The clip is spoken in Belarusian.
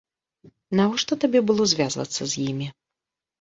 Навошта табе было звязвацца з імі?